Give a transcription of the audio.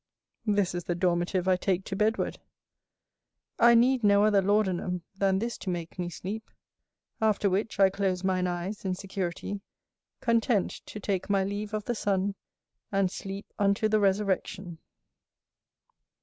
This is the dormitive I take to bedward; I need no other laudanum than this to make me sleep; after which I close mine eyes in security, content to take my leave of the sun, and sleep unto the resurrection.